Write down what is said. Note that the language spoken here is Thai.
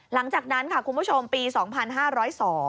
หลังจากนั้นคุณผู้ชมในพศ๒๕๐๒